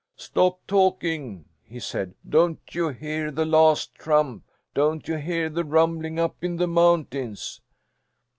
"Stop talking," he said. "Don't you hear the last trump? Don't you hear the rumbling up in the mountains?"